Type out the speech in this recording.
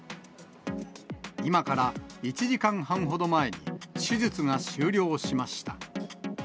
今から１時間半ほど前に、手術が終了しました。